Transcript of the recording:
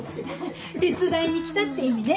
手伝いに来たって意味ね。